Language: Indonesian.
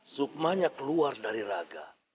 sukmanya keluar dari raga